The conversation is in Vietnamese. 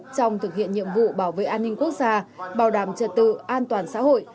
trong thực hiện nhiệm vụ bảo vệ an ninh quốc gia bảo đảm trật tự an toàn xã hội